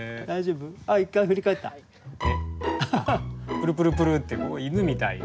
プルプルプルって犬みたいに。